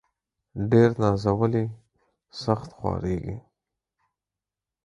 ډير نازولي ، سخت خوارېږي.